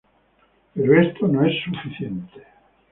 Pero esto no es suficiente.